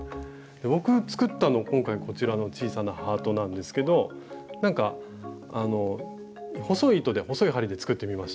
僕作ったの今回こちらの小さなハートなんですけどなんか細い糸で細い針で作ってみました。